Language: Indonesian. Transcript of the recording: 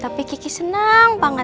tapi kiki senang banget